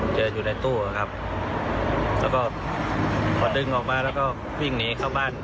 อยู่ในตู้ครับแล้วก็พอดึงออกมาแล้วก็วิ่งหนีเข้าบ้าน